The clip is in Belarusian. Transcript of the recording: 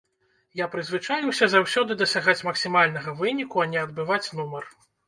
Я прызвычаіўся заўсёды дасягаць максімальнага выніку, а не адбываць нумар.